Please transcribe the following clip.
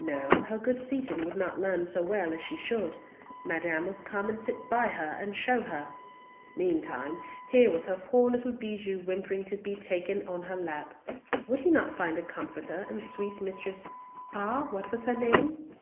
No, her good Seaton would not learn so well as she should; Madame must come and sit by her and show her. Meantime here was her poor little Bijou whimpering to be taken on her lap. Would not he find a comforter in sweet Mistress—ah, what was her name?